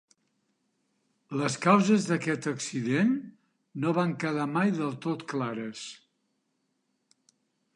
Les causes d'aquest accident no van quedar mai del tot clares.